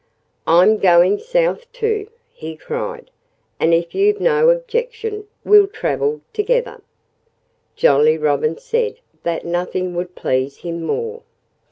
"I'm going South too!" he cried. "And if you've no objection we'll travel together." Jolly Robin said that nothing would please him more.